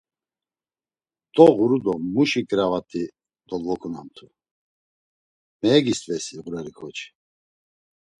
Doğuru do muşi ǩirevat̆i dolvobamtu, meyegist̆veysi ğureri ǩoçi…